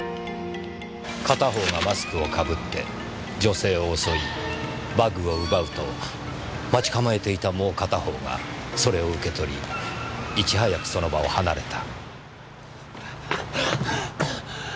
片方がマスクを被って女性を襲いバッグを奪うと待ちかまえていたもう片方がそれを受け取りいち早くその場を離れた。